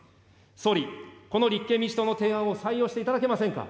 総理、この立憲民主党の提案を採用していただけませんか。